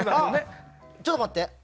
ちょっと待って。